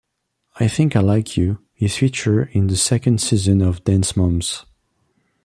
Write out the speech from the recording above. "I Think I Like You" is featured in the second season of "Dance Moms".